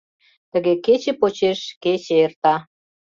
Тыге кече почеш кече эрта.